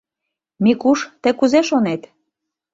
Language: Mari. Микуш, тый кузе шонет?